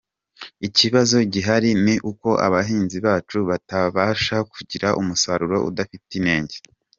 Ikibazo gihari ni uko abahinzi bacu batabasha kugira umusaruro udafite inenge.